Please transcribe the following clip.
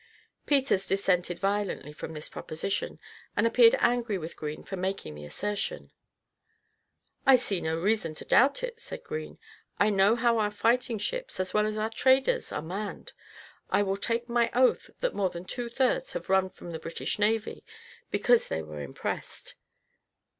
Peters dissented violently from this proposition, and appeared angry with Green for making the assertion. "I see no reason to doubt it," said Green; "I know how our fighting ships, as well as our traders, are manned. I will take my oath that more than two thirds have run from the British navy, because they were impressed.